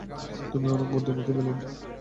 তুমি অনেক বুদ্ধিমতি, মেলিন্ডা।